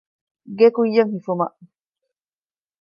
ގެ ކުއްޔަށް ހިފުމަށް